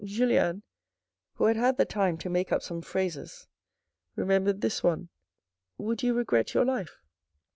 Julien, who had had the time to make up some phrases, remembered this one, " Would you regret your life